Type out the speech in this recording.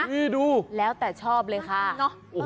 นี่ดูแล้วแต่ชอบเลยค่ะเนอะ